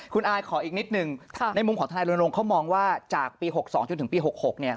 คุณอายขออีกนิดนึงในมุมของทนายรณรงค์เขามองว่าจากปี๖๒จนถึงปี๖๖เนี่ย